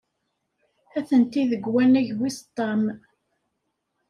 Atenti deg wannag wis ṭam.